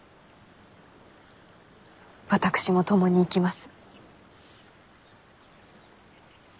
私も共にいきます。